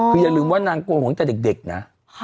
คืออย่าลืมว่านางโกนหวงเจ้าเด็กนะ